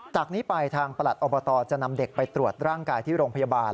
จากนี้ไปทางประหลัดอบตจะนำเด็กไปตรวจร่างกายที่โรงพยาบาล